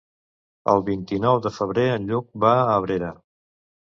El vint-i-nou de febrer en Lluc va a Abrera.